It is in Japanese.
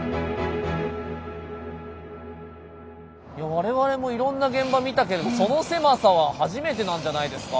我々もいろんな現場見たけどその狭さは初めてなんじゃないですか？